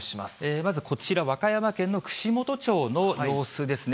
まずこちら、和歌山県の串本町の様子ですね。